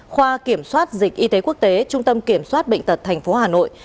khoa kiểm soát dịch y tế quốc tế trung tâm kiểm soát bệnh tật tp hà nội